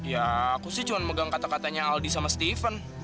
ya aku sih cuma megang kata katanya aldi sama stephen